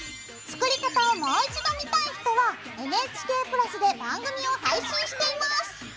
作り方をもう一度見たい人はＮＨＫ＋で番組を配信しています。